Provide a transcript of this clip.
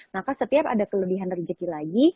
maka setiap ada kelebihan rezeki lagi